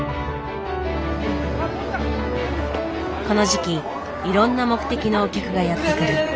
この時期いろんな目的のお客がやって来る。